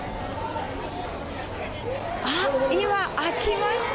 あっ、今、開きました。